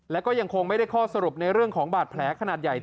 และก็ยังคงไม่ได้ข้อสรุปในเรื่องของบาดแผลขนาดใหญ่